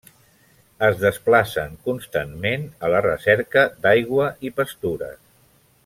Es desplacen constantment a la recerca d'aigua i pastures.